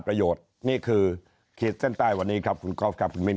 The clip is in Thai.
ประโยชน์นี่คือคิดเส้นใต้วันนี้ครับคุณครอฟครับคุณมิน